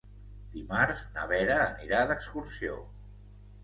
Dimarts na Vera anirà d'excursió.